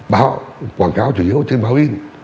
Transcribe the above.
báo quảng cáo chủ yếu trên báo in